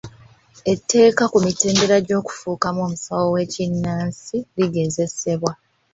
Etteeka ku mitendera gy'okufuukamu omusawo w'ekkinnansi ligezesebwa.